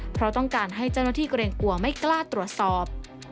เพราะต้องการให้เจ้าหน้าที่เกรงกลัวไม่กล้าตรวจสอบ